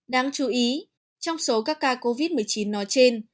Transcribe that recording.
đáng chú ý trong số các ca covid một mươi chín nói trên